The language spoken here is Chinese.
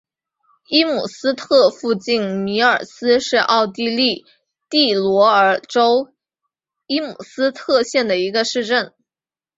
伊姆斯特附近米尔斯是奥地利蒂罗尔州伊姆斯特县的一个市镇。